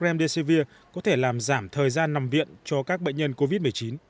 remdesivir có thể làm giảm thời gian nằm viện cho các bệnh nhân covid một mươi chín